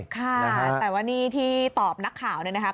ค่ะแต่ว่านี่ที่ตอบนักข่าวเนี่ยนะครับ